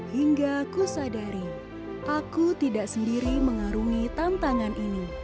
hingga ku sadari aku tidak sendiri mengarungi tantangan ini